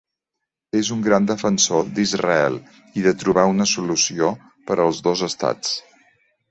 És un gran defensor d'Israel i de trobar una solució per als dos estats.